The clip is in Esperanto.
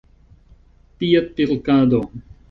piedpilkado